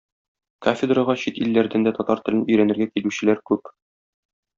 Кафедрага чит илләрдән дә татар телен өйрәнергә килүчеләр күп.